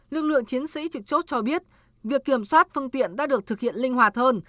lực lượng chiến sĩ trực chốt cho biết việc kiểm soát phương tiện đã được thực hiện linh hoạt hơn